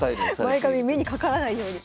前髪目にかからないように。